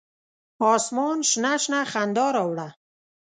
اسمان شنه، شنه خندا راوړه